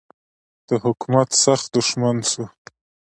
د حکومت سخت دښمن سو.